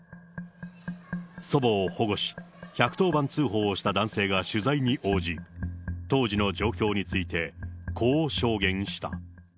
祖母を保護し、１１０番通報した男性が取材に応じ、当時の状況について、こう証言した。